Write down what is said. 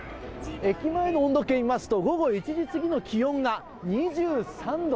駅前の温度計見ますと、午後１時過ぎの気温が２３度。